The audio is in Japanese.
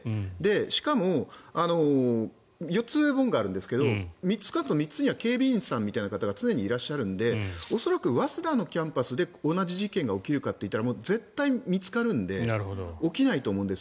しかも４つ門があるんですけど３つには警備員さんみたいな方が常にいらっしゃるので恐らく早稲田のキャンパスで同じような事件が起こるかというと絶対見つかるので起きないと思うんです。